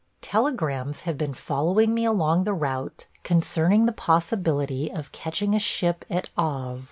Telegrams have been following me along the route concerning the possibility of catching a ship at Havre.